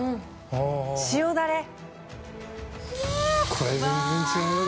これ全然違う。